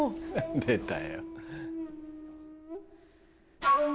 出たよ。